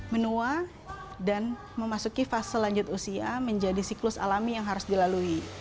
menua dan memasuki fase lanjut usia menjadi siklus alami yang harus dilalui